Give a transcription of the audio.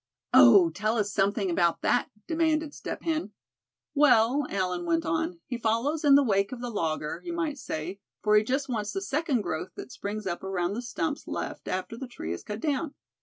"Oh! tell us something about that," demanded Step Hen. "Well," Allan went on, "he follows in the wake of the logger, you might say, for he just wants the second growth that springs up around the stumps left after the tree is cut down.